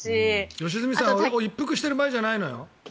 良純さん一服してる場合じゃないのよ。